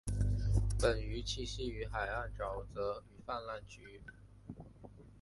本鱼栖息于海岸沼泽与泛滥区域。